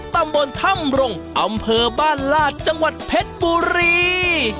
ตำบลถ้ำรงอำเภอบ้านลาดจังหวัดเพชรบุรี